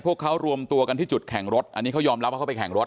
พวกเขารวมตัวกันที่จุดแข่งรถอันนี้เขายอมรับว่าเขาไปแข่งรถ